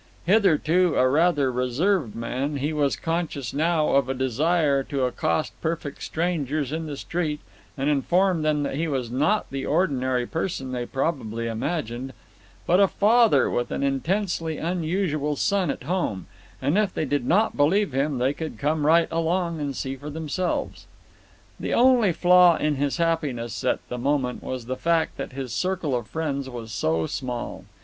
Hitherto a rather reserved man, he was conscious now of a desire to accost perfect strangers in the street and inform them that he was not the ordinary person they probably imagined, but a father with an intensely unusual son at home, and if they did not believe him they could come right along and see for themselves. The only flaw in his happiness at the moment was the fact that his circle of friends was so small.